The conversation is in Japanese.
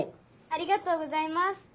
ありがとうございます。